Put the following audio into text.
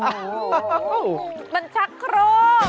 อ้าวมันชักโครก